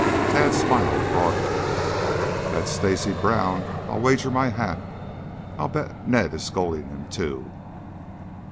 Tad smiled broadly. "That's Stacy Brown, I'll wager my hat. I'll bet Ned is scolding him, too."